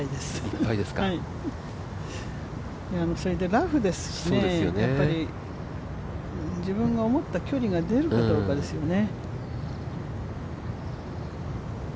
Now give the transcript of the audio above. ラフですしね、自分が思った距離が出るかどうかですよね。